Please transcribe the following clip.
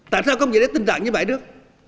tại sao công chí đá tình trạng như vậy nữa